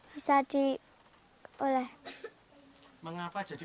bisa banyak teman atau juga bisa untuk memperoleh makanan yang bisa dikelola sendiri